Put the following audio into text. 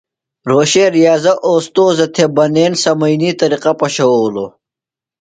روھوشے ریاضہ اوستوذہ تھےۡ بنین سمئینی طریقہ پشَوؤلوۡ۔